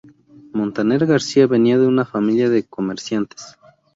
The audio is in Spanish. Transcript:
Montaner García venía de una familia de comerciantes.